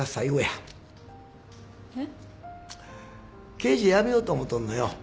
刑事辞めようと思とんのよ。